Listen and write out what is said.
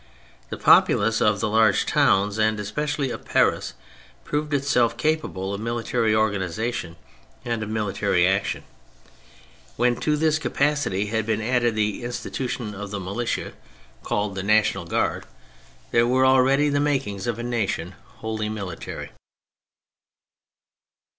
The populace of the large towns, and especially of Paris, proved itself capable of military organisation and of military action. When to this capacity had been added the institution of the militia called 152 THE FRENCH REVOLUTION the National Guard, there were already the makings of a nation wholly military.